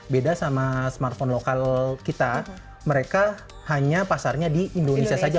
beda sama smartphone lokal kita mereka hanya pasarnya di indonesia saja